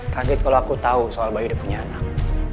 kaget kalau aku tau soal bayu udah punya anak